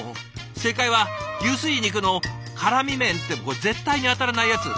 正解は「牛スジ肉の辛み麺」って絶対に当たらないやつ！